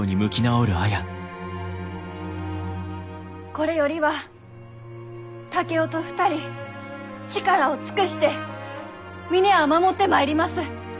これよりは竹雄と２人力を尽くして峰屋を守ってまいります。